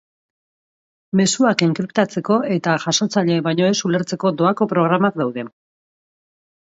Mezuak enkriptatzeko eta jasotzaileak baino ez ulertzeko doako programak daude.